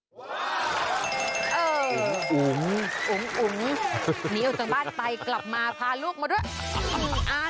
โอ้โหของโอ๋งอุ๋งอุ๋งอุ๋งมีอยู่ตรงบ้านไปกลับมาพาลูกมาด้วย